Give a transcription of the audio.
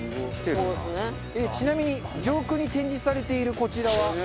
ちなみに上空に展示されているこちらは。